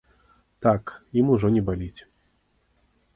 Так, ім ужо не баліць.